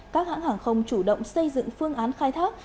các hãng hàng không chủ động xây dựng phương án khai thác